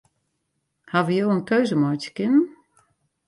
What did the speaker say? Hawwe jo in keuze meitsje kinnen?